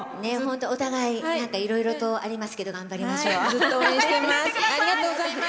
お互いいろいろとありますけど頑張りましょう。